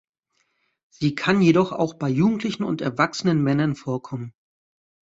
Sie kann jedoch auch bei jugendlichen und erwachsenen Männern vorkommen.